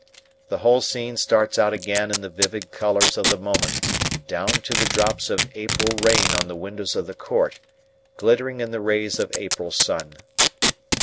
The whole scene starts out again in the vivid colours of the moment, down to the drops of April rain on the windows of the court, glittering in the rays of April sun.